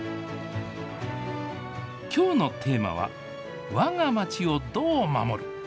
きょうのテーマは、わが町をどう守る？